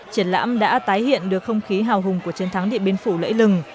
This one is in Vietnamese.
triển lãm đã tái hiện được không khí hào hùng của chiến thắng điện biên phủ lễ lừng